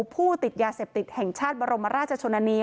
ผู้ติดยาเสพติดแห่งชาติบรมราชชนนานี